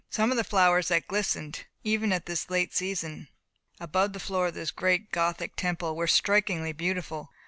Some of the flowers that glistened, even at this late season, above the floor of this great Gothic temple, were strikingly beautiful.